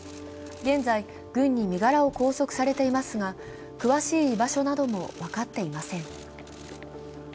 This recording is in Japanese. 現在、軍に身柄を拘束されていますが、詳しい居場所なども分かっていません。